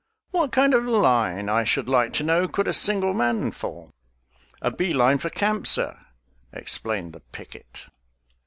"What kind of line, I should like to know, could a sin gle man form? " "A bee line for camp, sir," explained the picket.